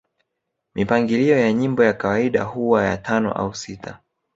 Mipangilio ya nyimbo ya kawaida huwa ya tano au sita